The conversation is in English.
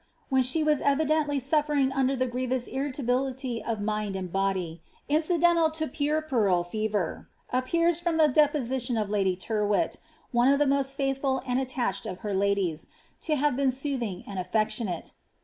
when she wan evidently nufknag under ibe grievous irrilabiliiy of mind and body incidental lo puerpeial lenri appears fcnm the deposition of Lady Tyrwhii,' one of the most taidihi, and attached of her lailiea, to have been soothing and affectionate.